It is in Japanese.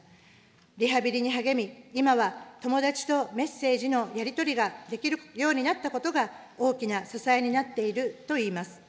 リハビリに励み、今は友達とメッセージのやり取りができるようになったことが、大きな支えになっているといいます。